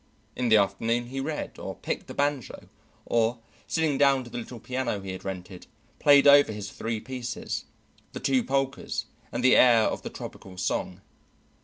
In the afternoon he read or picked the banjo or, sitting down to the little piano he had rented, played over his three pieces, the two polkas and the air of the topical song.